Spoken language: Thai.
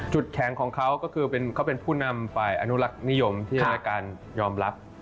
แข็งของเขาก็คือเขาเป็นผู้นำฝ่ายอนุรักษ์นิยมที่ในการยอมรับ